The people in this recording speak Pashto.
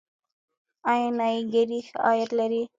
آیا نایي ګري ښه عاید لري؟